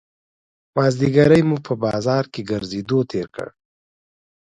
مازیګری مو په بازار کې ګرځېدو تېر کړ.